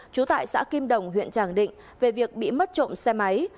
trú tại xã kim đồng huyện tràng định về việc bị mất trộm xe máy